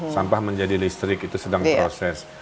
sampah menjadi listrik itu sedang proses